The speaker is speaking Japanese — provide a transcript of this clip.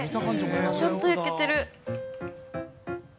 ちゃんと焼けてる。